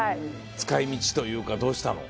使い道というかどうしたの？